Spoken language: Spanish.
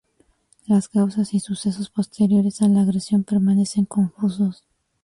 Las causas y sucesos posteriores a la agresión permanecen confusos.